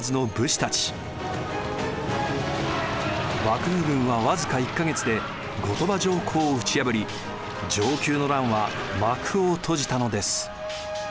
幕府軍は僅か１か月で後鳥羽上皇を打ち破り承久の乱は幕を閉じたのです。